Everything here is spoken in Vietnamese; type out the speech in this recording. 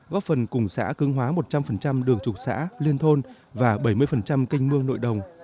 góp phần cùng xã cưng hóa một trăm linh đường trục xã liên thôn và bảy mươi kênh mương nội đồng